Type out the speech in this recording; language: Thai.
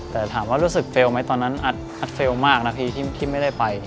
แต่ถามว่ารู้สึกเฟลล์ไหมตอนนั้นอัดเฟลล์มากนะพี่ที่ไม่ได้ไป